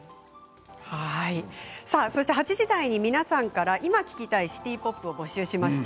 ８時台に皆さんから今、聴きたいシティ・ポップを募集しました。